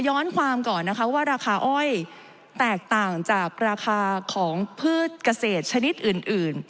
ย้อนความก่อนนะคะว่าราคาอ้อยแตกต่างจากราคาของพืชเกษตรชนิดอื่น